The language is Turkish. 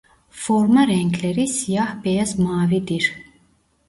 Forma renkleri siyah-beyaz-mavi'dir.